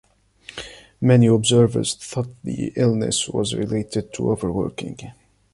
Many observers thought the illness was related to overworking.